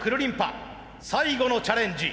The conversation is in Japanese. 最後のチャレンジ